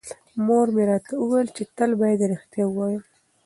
مور مې راته وویل چې تل بايد رښتیا ووایم.